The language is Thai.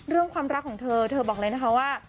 ความรักของเธอเธอบอกเลยนะคะว่า